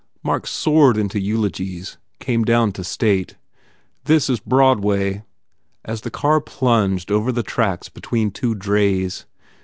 Mark soared into eulogies, came down to state, "This is Broadway," as the car plunged over the tracks between two drays.